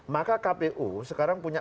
maka kpu sekarang punya